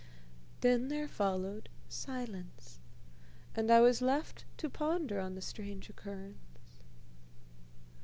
Then there followed silence, and I was left to ponder on the strange occurrence.